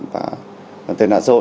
và tệ nạn xã hội